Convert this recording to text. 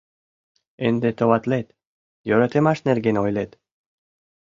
Ынде товатлет, йӧратымаш нерген ойлет.